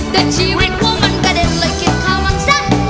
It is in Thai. ได้ชีวิตว่ามันกระเด็นไหล่เข้าข้างสัก